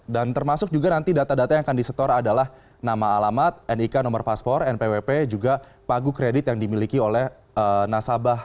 dan termasuk juga nanti data data yang akan disetor adalah nama alamat nik nomor paspor npwp juga pagu kredit yang dimiliki oleh nasabah